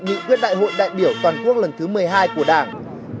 nhị quyết đại hội đại biểu toàn quốc lần thứ một mươi hai của tổng thống